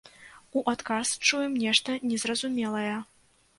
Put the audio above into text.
У адказ чуем нешта незразумелае.